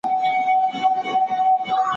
کېدای سي سندري ټيټه وي؟!